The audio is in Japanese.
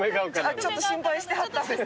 ちょっと心配してはったんですね。